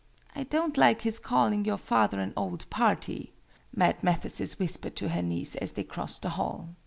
"I don't like his calling your father an old party," Mad Mathesis whispered to her niece, as they crossed the hall.